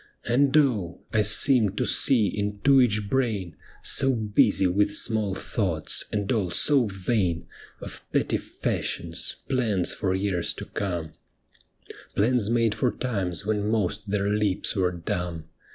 And oh ! I seemed to see into each brain, So busy with small thoughts, and all so vain. Of petty fashions, plans for years to come — loo 'THE ME WITHIN THEE BLIND!' Plans made for times when most their lips were dumb.